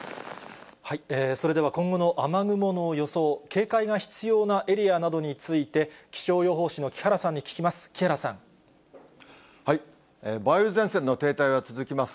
それでは今後の雨雲の予想、警戒が必要なエリアなどについて、気象予報士の木原さんに聞きます。